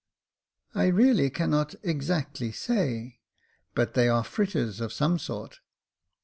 " I really cannot exactly say ; but they are fritters of some sort."